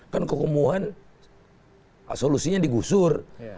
kan kekumuhan solusinya digusur